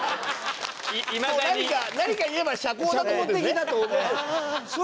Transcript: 何か言えば社交だと思ってるんですね。